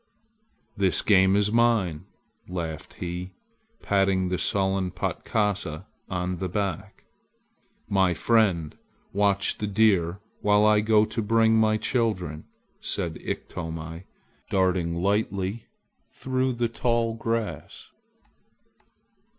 "The game is mine!" laughed he, patting the sullen Patkasa on the back. "My friend, watch the deer while I go to bring my children," said Iktomi, darting lightly through the tall grass.